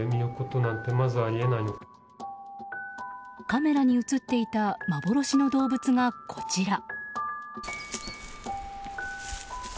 カメラに映っていた幻の動物が、こちら。